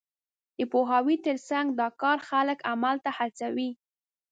د پوهاوي تر څنګ، دا کار خلک عمل ته هڅوي.